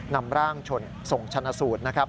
นำร่างส่งชนะสูตรนะครับ